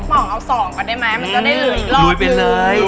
พี่พ่องเอา๒ก่อนได้ไหมมันก็ได้เหลืออีกเลิศ